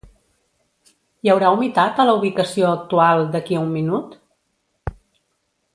Hi haurà humitat a la ubicació actual d'aquí a un minut?